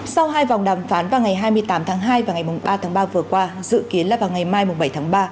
sau hai vòng đàm phán vào ngày hai mươi tám tháng hai và ngày ba tháng ba vừa qua dự kiến là vào ngày mai bảy tháng ba